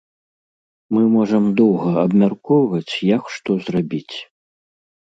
Мы можам доўга абмяркоўваць, як што зрабіць.